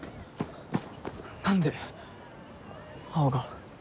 何で青が。